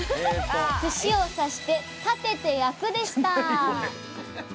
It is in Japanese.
「串を刺して立てて焼く」でした。